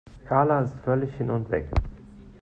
Karla ist völlig hin und weg.